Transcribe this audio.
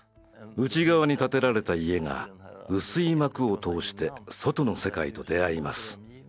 内側に建てられた家が薄い幕を通して外の世界と出会います。